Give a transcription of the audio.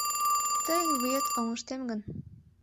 Тыйын вует оҥыштем гын